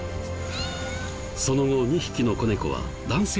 その後２匹の子猫は男性の飼い猫に。